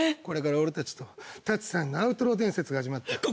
これから俺たちとたつさんのアウトロー伝説が始まった。